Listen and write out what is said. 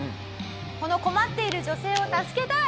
この困っている女性を助けたい。